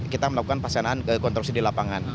kita melakukan pelaksanaan ke konstruksi di lapangan